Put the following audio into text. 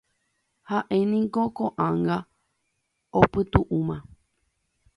ha'éniko ko'ág̃a opytu'ũma